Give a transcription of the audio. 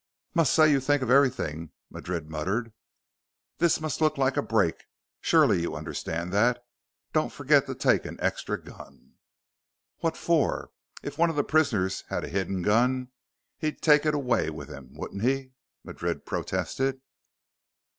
"Must say you think of everything," Madrid muttered. "This must look like a break surely you understand that. Don't forget to take an extra gun." "What for? If one of the prisoners had a hidden gun, he'd take it away with him, wouldn't he?" Madrid protested.